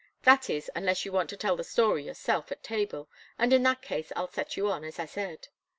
That is, unless you want to tell the story yourself at table, and in that case I'll set you on, as I said."